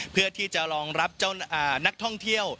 เพื่อรองรับนักท่องเที่ยว